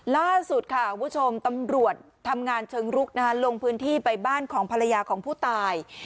ล่าสุดค่ะคุณผู้ชมตำรวจทำงานเชิงรุกลงพื้นที่ไปบ้านของภรรยาของผู้ตาย